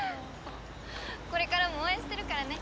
これからも応援してるからね。